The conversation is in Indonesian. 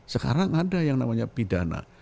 sekarang ada yang namanya pidana